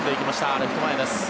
レフト前です。